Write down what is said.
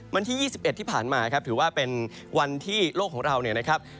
วันที่๒๑ที่ผ่านมาครับถือว่าเป็นวันที่โลกของเราเนี่ยนะครับ